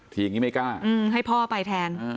อย่างนี้ไม่กล้าให้พ่อไปแทน